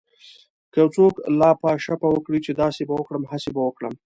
که يو څوک لاپه شاپه وکړي چې داسې به وکړم هسې به وکړم.